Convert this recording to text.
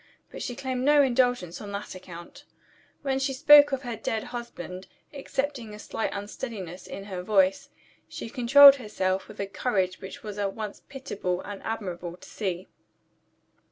But she claimed no indulgence on that account. When she spoke of her dead husband excepting a slight unsteadiness in her voice she controlled herself with a courage which was at once pitiable and admirable to see.